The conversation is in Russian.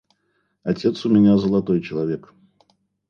Отец у меня золотой человек.